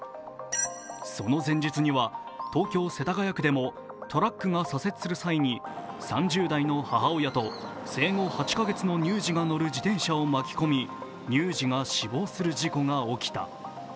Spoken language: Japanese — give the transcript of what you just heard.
その前日には東京・世田谷区でもトラックが左折する際に３０代の母親と生後８カ月の乳児が乗る自転車を巻き込み、乳児が死亡する事故が起きた。